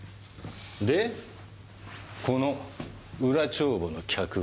でこの裏帳簿の客は？